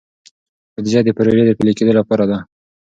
بودیجه د پروژو د پلي کیدو لپاره ده.